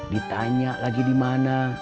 ditanya lagi dimana